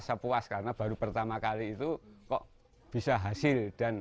saya puas karena baru pertama kali itu kok bisa hasil